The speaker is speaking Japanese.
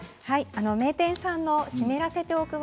名店さんの湿らせておく技